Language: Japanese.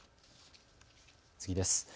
次です。